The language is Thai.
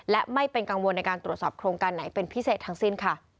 และไม่เป็นกังวลในการตรวจสอบโครงการไหนเป็นพิเศษทั้งสิ้นค่ะ